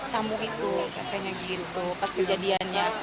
tamu itu pas kejadiannya